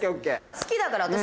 好きだから私。